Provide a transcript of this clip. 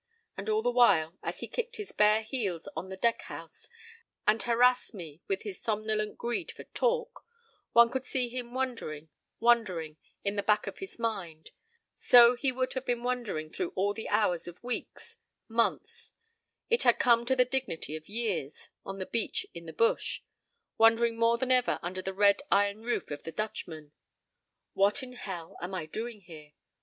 And all the while, as he kickedhis bare heels on the deckhouse and harassed me with his somnolent greed for "talk," one could see him wondering, wondering, in the back of his mind. So he would have been wondering through all the hours of weeks, months—it had come to the dignity of years, on the beach, in the bush—wondering more than ever under the red iron roof of the Dutchman: "What in hell am I doing here?